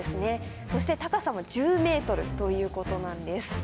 そして高さも１０ｍということなんです。